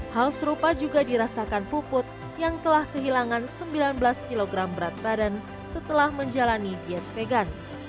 hal serupa juga dirasakan puput yang telah kehilangan sembilan belas kg berat badan setelah menjalani diet vegan